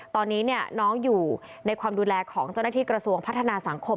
ตอนนี้น้องอยู่ในความดูแลของเจ้าหน้าที่กระทรวงพัฒนาสังคม